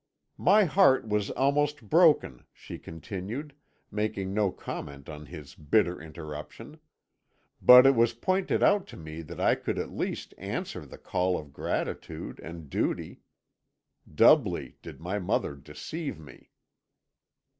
"'My heart was almost broken,' she continued, making no comment on his bitter interruption; 'but it was pointed out to me that I could at least answer the call of gratitude and duty. Doubly did my mother deceive me.'